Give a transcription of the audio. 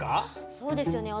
そうですよね。